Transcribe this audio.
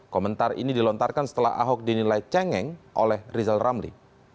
komentar ini dilontarkan setelah ahok dinilai cengeng oleh rizal ramli